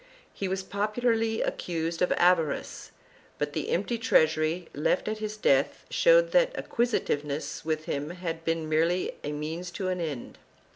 He was popularly accused of avarice, but the empty treasury left at his death showed that acquisi tiveness with him had been merely a means to an end.